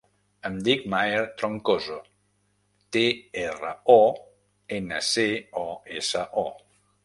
Em dic Maher Troncoso: te, erra, o, ena, ce, o, essa, o.